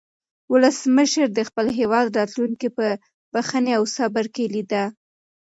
ولسمشر د خپل هېواد راتلونکی په بښنې او صبر کې لیده.